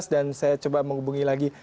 dan saya coba menghubungi lagi